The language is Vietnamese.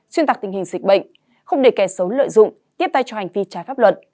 xuyên tạc tình hình dịch bệnh không để kẻ xấu lợi dụng tiếp tay cho hành vi trái pháp luật